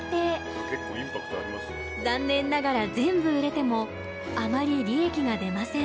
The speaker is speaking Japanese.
残念ながら全部売れてもあまり利益が出ません。